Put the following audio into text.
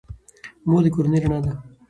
مور د کورنۍ رڼا ده.